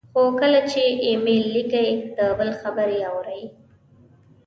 خو کله چې ایمیل لیکئ، د بل خبرې اورئ،